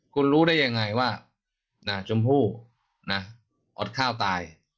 คุณรู้ได้ยังไงว่าชมพู่อดข้าวตาย